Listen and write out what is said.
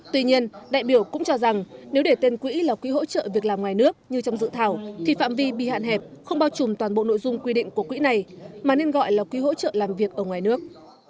tuy nhiên đại biểu cũng cho rằng nếu để tên quỹ là quỹ hỗ trợ việc làm ngoài nước như trong dự thảo thì phạm vi bị hạn hẹp không bao trùm toàn bộ nội dung quy định của quỹ này mà nên gọi là quỹ hỗ trợ làm việc ở ngoài nước